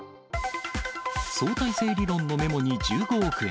相対性理論のメモに１５億円。